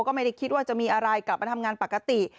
ก็ไม่ได้คิดว่าจะมีอะไรกลับมาทำงานปกติ